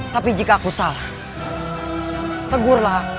tapi jika aku salah tegurlah